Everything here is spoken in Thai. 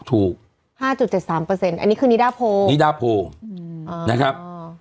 ถูก๕๗๓อันนี้คือนิดาโพนิดาโพนะครับ